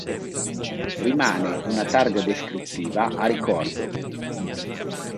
Rimane una targa descrittiva a ricordo.